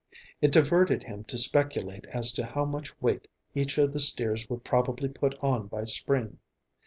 It diverted him to speculate as to how much weight each of the steers would probably put on by spring.